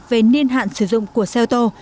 về niên hạn sử dụng của xe ô tô